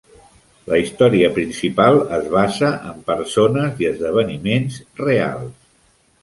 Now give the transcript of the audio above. La història principal es basa en persones i esdeveniments reals.